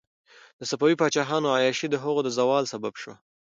د صفوي پاچاهانو عیاشي د هغوی د زوال سبب شوه.